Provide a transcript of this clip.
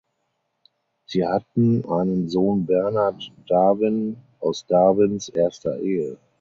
Sie hatten einen Sohn Bernard Darwin aus Darwins erster Ehe.